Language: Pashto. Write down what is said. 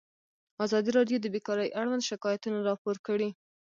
ازادي راډیو د بیکاري اړوند شکایتونه راپور کړي.